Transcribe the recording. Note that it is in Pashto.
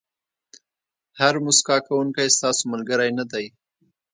هر موسکا کوونکی ستاسو ملګری نه دی.